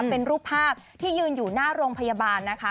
เป็นรูปภาพที่ยืนอยู่หน้าโรงพยาบาลนะคะ